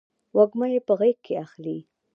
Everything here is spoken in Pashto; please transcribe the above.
وږمه یې په غیږ کې اخلې